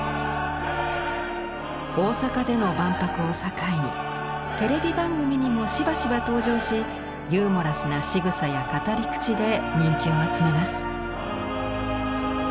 大阪での万博を境にテレビ番組にもしばしば登場しユーモラスなしぐさや語り口で人気を集めます。